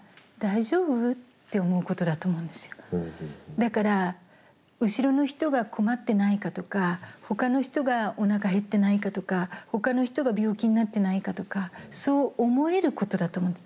だから後ろの人が困ってないかとかほかの人がおなか減ってないかとかほかの人が病気になってないかとかそう思えることだと思うんです。